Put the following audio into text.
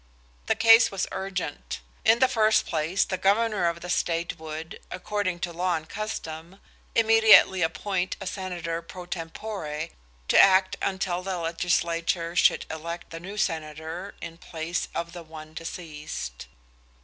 The case was urgent. In the first place the governor of the state would, according to law and custom, immediately appoint a senator pro tempore to act until the legislature should elect the new senator in place of the one deceased.